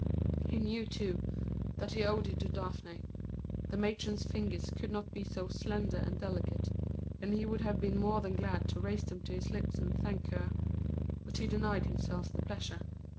He knew, too, that he owed it to Daphne; the matron's fingers could not be so slender and delicate, and he would have been more than glad to raise them to his lips and thank her; but he denied himself the pleasure.